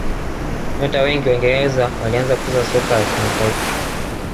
nyota wengi wa uingereza walianza kucheza soka la kimataifa